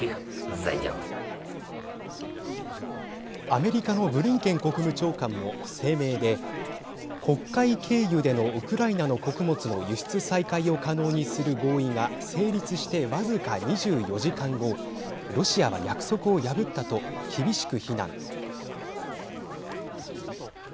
アメリカのブリンケン国務長官も声明で、黒海経由でのウクライナの穀物の輸出再開を可能にする合意が成立して僅か２４時間後ロシアは約束を破ったと厳しく非難。